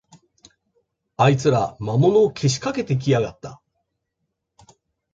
あいつら、魔物をけしかけてきやがった